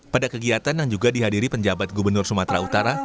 pada kegiatan yang juga dihadiri penjabat gubernur sumatera utara